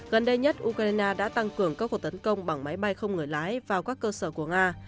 gần đây nhất ukraine đã tăng cường các cuộc tấn công bằng máy bay không người lái vào các cơ sở của nga